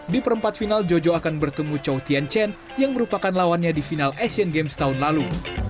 di perempat final jojo akan bertemu chou tian chen yang merupakan lawannya di final asian games tahun lalu